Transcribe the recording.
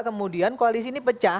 kemudian koalisi ini pecah